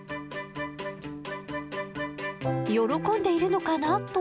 喜んでいるのかなと思ったら。